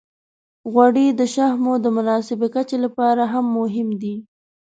غوړې د شحمو د مناسبې کچې لپاره هم مهمې دي.